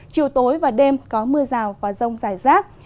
chiều tối và đêm có mưa rào và rông rải rác